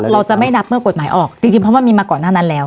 เราจะไม่นับเมื่อกฎหมายออกจริงเพราะว่ามีมาก่อนหน้านั้นแล้ว